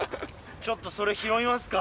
ちょっとそれ拾いますか。